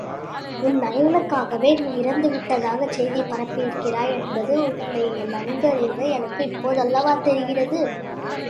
என் நலனுக்காகவே நீ இறந்து விட்டதாகச் செய்தி பரப்பியிருக்கிறாய் என்பது உன்னை நன்கு அறிந்த எனக்கு இப்போதல்லவா தெரிகிறது?